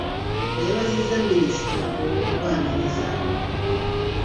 Yeebaziza Minisita olw'okubaaniriza.